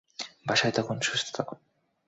বাসায় থাকুন, সুস্থ থাকুন।